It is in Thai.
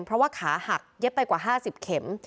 เพราะว่าขาหักเย็บไปกว่า๕๐เข็ม